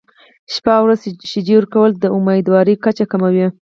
شپه او ورځ شیدې ورکول د امیندوارۍ کچه کموي.